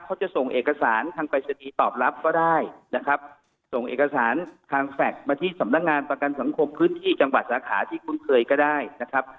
จะส่งเอกสารทางปรายศนีย์ตอบรับก็ได้นะครับส่งเอกสารทางแฟลต์มาที่สำนักงานประกันสังคมพื้นที่จังหวัดสาขาที่คุ้นเคยก็ได้นะครับ